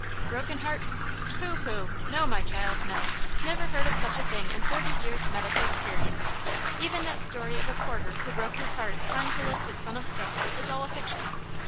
"Broken heart? Pooh, pooh! no, my child, no! never heard of such a thing in thirty years' medical experience! Even that story of a porter who broke his heart trying to lift a ton of stone is all a fiction.